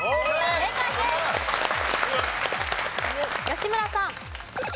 吉村さん。